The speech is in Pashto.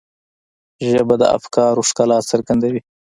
ژبه د افکارو ښکلا څرګندوي